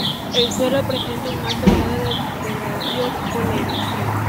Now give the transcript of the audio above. El suelo presenta un alto grado de degradación por la erosión.